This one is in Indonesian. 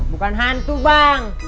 bukan hantu bang